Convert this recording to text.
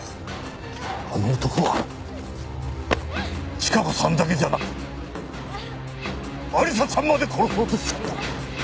あの男は千加子さんだけじゃなく亜理紗ちゃんまで殺そうとしたんだ！